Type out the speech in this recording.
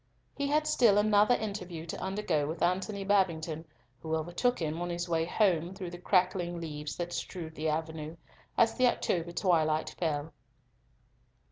He had still another interview to undergo with Antony Babington, who overtook him on his way home through the crackling leaves that strewed the avenue, as the October twilight fell.